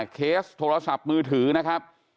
เคสโทรศัพท์มือถือนะครับ